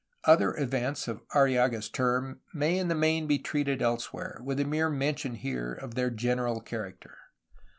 Other events of Arrillaga's term may in the main be treated elsewhere, with a mere mention here of their general character.